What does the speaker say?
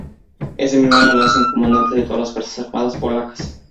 Ese mismo año le hacen comandante de todas las fuerzas armadas polacas.